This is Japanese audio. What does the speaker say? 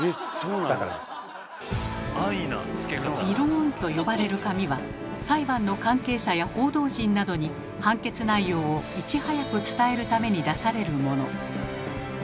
「びろーん」と呼ばれる紙は裁判の関係者や報道陣などに判決内容をいち早く伝えるために出されるもの。